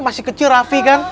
masih kecil raffi kan